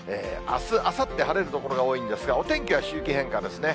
あす、あさって晴れる所が多いんですが、お天気は周期変化ですね。